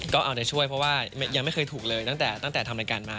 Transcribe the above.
ก็เอาใจช่วยเพราะว่ายังไม่เคยถูกเลยตั้งแต่ทำรายการมา